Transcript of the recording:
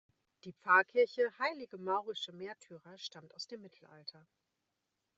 Die Pfarrkirche Heilige Maurische Märtyrer stammt aus dem Mittelalter.